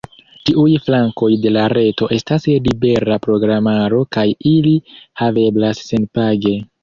Ĉiuj flankoj de la reto estas libera programaro kaj ili haveblas senpage.